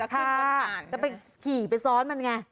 ค่ะแต่ไปขี่ไปซ้อนมันไง